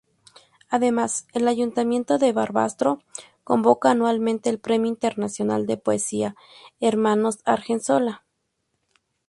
Además, el Ayuntamiento de Barbastro convoca anualmente el Premio Internacional de Poesía Hermanos Argensola.